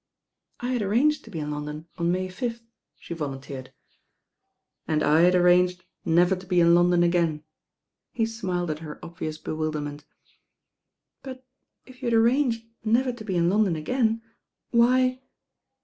"I had arranged to be in London on May 5th," she volunteered. "And I had arranged never to be in London again." He smiled at her obvious bewilderment. "But if you had arranged never to be in London again, why